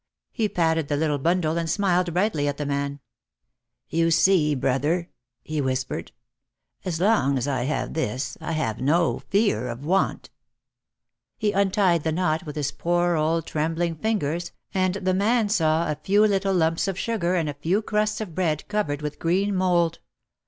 He patted the little bundle and smiled brightly at the man. "You see, brother," he whispered, "as long OUT OF THE SHADOW 193 as I have this I have no fear of want." He untied the knot with his poor old trembling fingers and the man saw a few little lumps of sugar and a few crusts of bread covered with green mould.